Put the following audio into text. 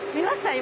今。